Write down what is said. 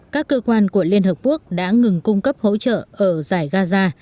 các cơ quan của liên hợp quốc đã ngừng cung cấp hỗ trợ ở giải gaza